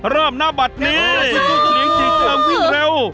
เริ่มหน้าบัตรนี้จุดเฉลี่ยงจืกยึกเร็วเร็ว